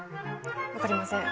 分かりません。